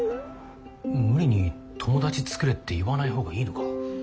無理に「友達作れ」って言わない方がいいのか。